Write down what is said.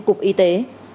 cục y tế